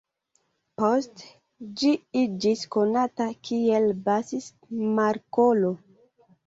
Poste ĝi iĝis konata kiel Bass-Markolo.